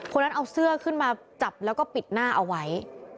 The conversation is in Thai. คนนั้นเอาเสื้อขึ้นมาจับแล้วก็ปิดหน้าเอาไว้